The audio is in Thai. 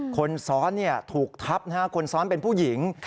คนซ้อนถูกทับคนซ้อนเป็นผู้หญิง